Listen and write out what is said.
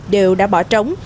đều đã bỏ trống